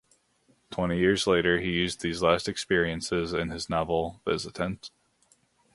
Twenty years later, he used these last experiences in his novel "Visitants".